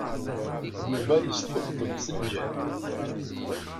Yuba yesṭebṭeb s ljehd.